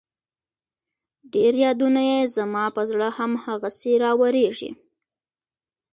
ډېر يادونه يې زما په زړه هم هغسې راوريږي